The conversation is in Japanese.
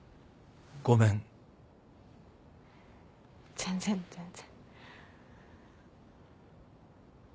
全然全然。